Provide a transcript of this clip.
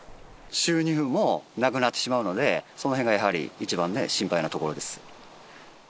収入もなくなってしまうので、そのへんがやはり、一番心配なところです。